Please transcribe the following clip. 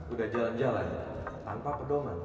udah jalan jalan tanpa pedoman